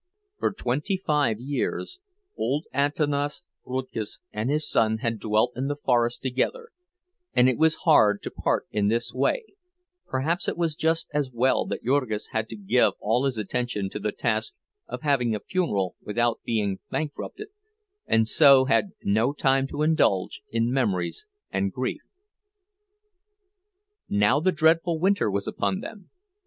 For twenty five years old Antanas Rudkus and his son had dwelt in the forest together, and it was hard to part in this way; perhaps it was just as well that Jurgis had to give all his attention to the task of having a funeral without being bankrupted, and so had no time to indulge in memories and grief. Now the dreadful winter was come upon them.